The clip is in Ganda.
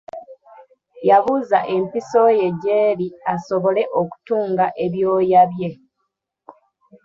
Yabuuza empiso ye gy'eri asobole okutunga ebyoya bye.